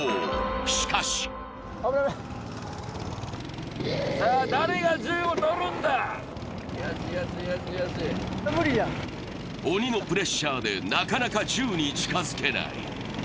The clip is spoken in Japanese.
しかしてて鬼のプレッシャーで、なかなか銃に近づけない。